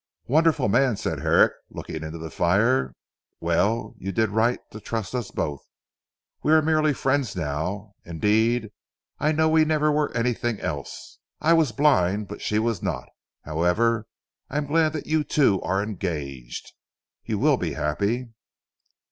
"Wonderful man!" said Herrick looking into the fire. "Well you did right to trust us both. We are merely friends now. Indeed I know we never were anything else. I was blind; but she was not. However I am glad that you two are engaged. You will be happy."